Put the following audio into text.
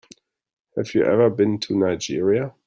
Have you ever been to Nigeria?